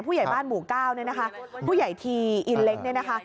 ผู้ใหญ่บ้านหมูก้าวพูดใหญ่ทีอินเล็ก